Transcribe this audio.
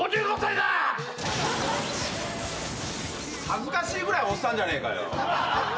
恥ずかしいぐらいおっさんじゃねえかよ！